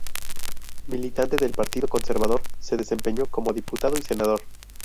Militante del Partido Conservador, se desempeñó como diputado y senador.